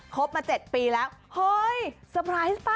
บมา๗ปีแล้วเฮ้ยเซอร์ไพรส์ป่ะ